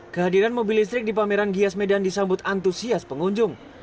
kehadiran mobil listrik di pameran gias medan disambut antusias pengunjung